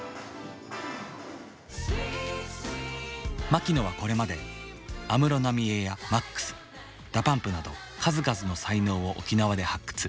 マキノはこれまで安室奈美恵やＭＡＸＤＡＰＵＭＰなど数々の才能を沖縄で発掘。